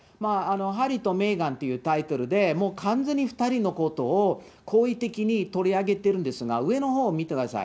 ハリーとメーガンというタイトルで、もう完全に２人のことを好意的に取り上げてるんですが、上のほう見てください。